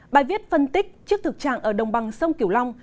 bài viết phân tích trước thực trạng ở đồng bằng sông kiểu long